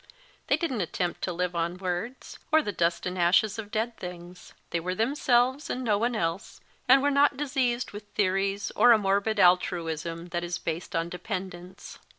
They didn t attempt to live on words, or the dust and ashes of dead things. They were themselves and no one else, and were not diseased with theories or a morbid altruism that is based on dependence.